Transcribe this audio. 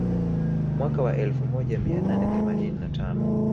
Mwaka wa elfu moja mia nane themanini na tano